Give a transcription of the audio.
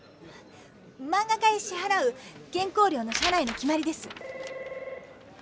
マンガ家へしはらう原稿料の社内の決まりです。